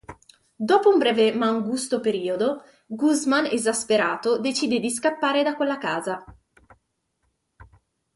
Dopo un breve ma angusto periodo, Guzmán esasperato decide di scappare da quella casa.